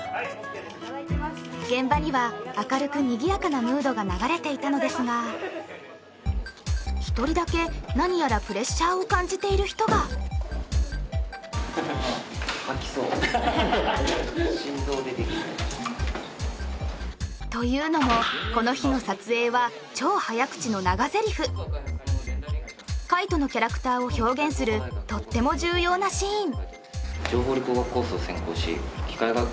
現場には明るくにぎやかなムードが流れていたのですが１人だけ何やらプレッシャーを感じている人がというのもこの日の撮影は海斗のキャラクターを表現するとっても重要なシーン「情報理工学コースを専攻し機械学」